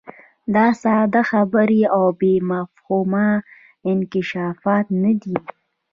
دا ساده خبرې او بې مفهومه انکشافات نه دي.